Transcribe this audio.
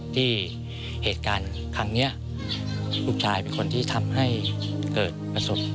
ที่เหตุการณ์ครั้งนี้ลูกชายเป็นคนที่ทำให้เกิดประสบ